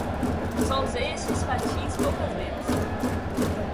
Só usei estes patins poucas vezes.